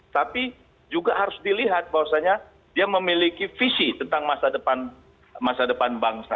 tapi juga harus dilihat bahwasanya dia memiliki visi tentang masa depan masa depan bangsa